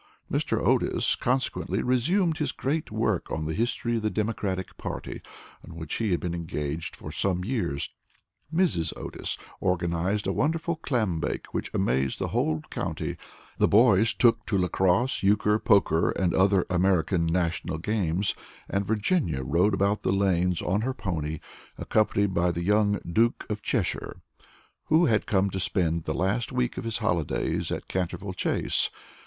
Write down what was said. Mr. Otis consequently resumed his great work on the history of the Democratic party, on which he had been engaged for some years; Mrs. Otis organized a wonderful clam bake, which amazed the whole county; the boys took to lacrosse, euchre, poker, and other American national games, and Virginia rode about the lanes on her pony, accompanied by the young Duke of Cheshire, who had come to spend the last week of his holidays at Canterville Chase.